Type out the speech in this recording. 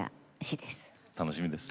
楽しみです。